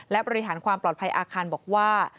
และบริหารความปลอดภัยอาคารบอกว่า